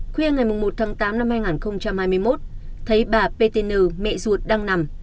khuya ngày một tháng tám năm hai nghìn hai mươi một thấy bà p t n mẹ ruột đang nằm